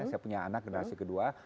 saya punya anak generasi kedua